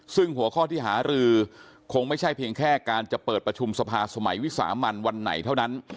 ซึ่งหัวข้อที่หารือคงไม่ใช่เพียงแค่การจะเปิดประชุมสภาสมัยวิสามันวันไหนเท่านั้น